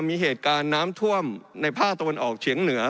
มีเหตุการณ์น้ำท่วมในภาคตะวันออกเฉียงเหนือ